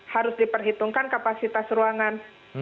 harus diperhitungkan kapasitas ruangan